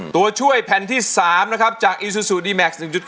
ตัวช่วยจากอิซูซูดีแมน